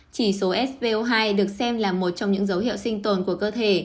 chỉ số svo hai được xem là một trong những dấu hiệu sinh tồn của cơ thể